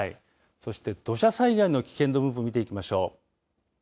そして土砂災害の危険の分布見ていきましょう。